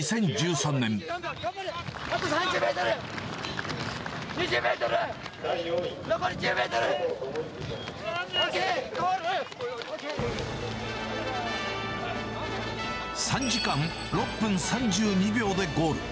３時間６分３２秒でゴール。